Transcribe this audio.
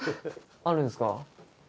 あるんすか？